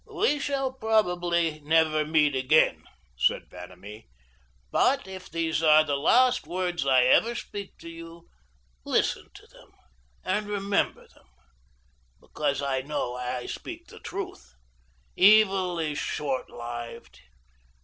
"We shall probably never meet again," said Vanamee; "but if these are the last words I ever speak to you, listen to them, and remember them, because I know I speak the truth. Evil is short lived.